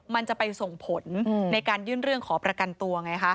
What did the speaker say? มันจะไปส่งผลในการยื่นเรื่องขอประกันตัวไงคะ